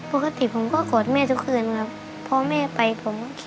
รู้ครับ